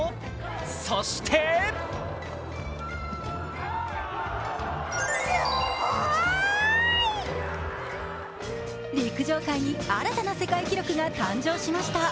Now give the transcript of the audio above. そして陸上界に新たな世界記録が誕生しました。